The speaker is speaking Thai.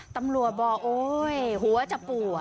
ตำรวจบอกโอ๊ยหัวจะปวด